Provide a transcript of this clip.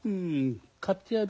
買ってやる。